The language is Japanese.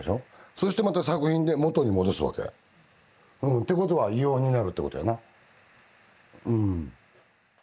そしてまた作品で元に戻すわけ。ってことは硫黄になるってことやな。